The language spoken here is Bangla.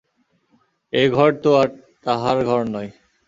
এঘর তো আর তাহার ঘর নয়!